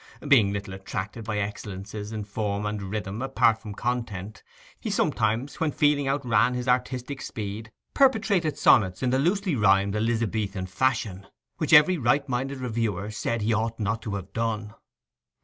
Being little attracted by excellences of form and rhythm apart from content, he sometimes, when feeling outran his artistic speed, perpetrated sonnets in the loosely rhymed Elizabethan fashion, which every right minded reviewer said he ought not to have done.